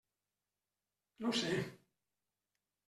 No sé.